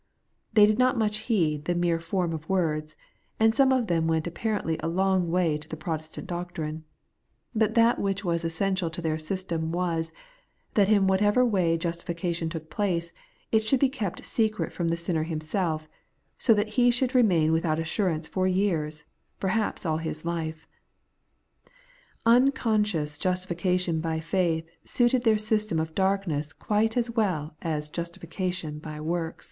They did not much heed the mere form of words, and some of them went apparently a long way to the Protestant doctrine. But that which was essential to their system was, that in whatever way justification took place, it should be kept secret from the sinner himself, so that he should remain without assurance for years, perhaps aU his life^ U7icons(d(m8 justification hy faith suited their system of darkness quite as well as justif/iation hy works.